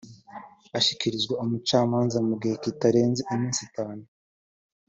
ashyikirizwe umucamanza mu gihe kitarenze iminsi itanu